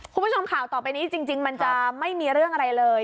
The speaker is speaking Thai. คุณผู้ชมข่าวต่อไปนี้จริงมันจะไม่มีเรื่องอะไรเลย